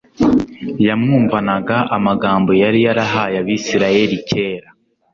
yamwumvanaga amagambo yari yarahaye Abisirayeli kera,